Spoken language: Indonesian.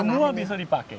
semua bisa dipakai